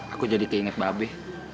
aku jadi keinget mbak be